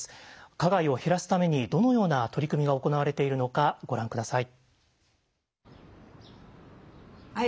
加害を減らすためにどのような取り組みが行われているのかご覧下さい。